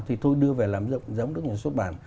thì thôi đưa về làm giống như xuất bản